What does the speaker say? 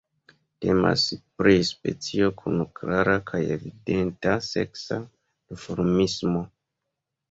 Temas pri specio kun klara kaj evidenta seksa duformismo.